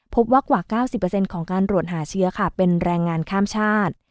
กว่า๙๐ของการตรวจหาเชื้อค่ะเป็นแรงงานข้ามชาติ